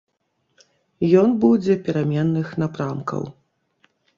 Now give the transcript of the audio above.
Ён будзе пераменных напрамкаў.